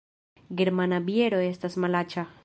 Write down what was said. Germana biero estas malaĉa